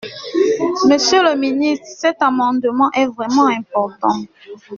Monsieur le ministre, cet amendement est vraiment important.